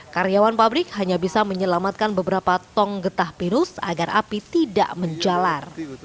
karyawan pabrik hanya bisa menyelamatkan beberapa tong getah pinus agar api tidak menjalar